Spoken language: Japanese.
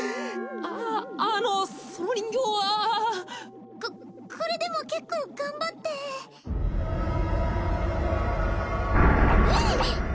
あっあのその人形はこっこれでも結構頑張ってひいっ！